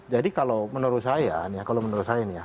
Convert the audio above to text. jadi kalau menurut saya nih ya